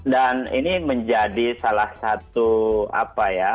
dan ini menjadi salah satu apa ya